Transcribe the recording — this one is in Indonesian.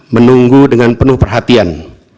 menunggu dengan penuh perhatian